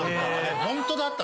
ホントだったの？